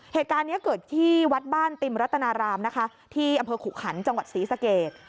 เหตุการณ์นี้เกิดที่วัดบ้านติมรัตนารามนะคะที่อำเภอขุขันจังหวัดศรีสเกต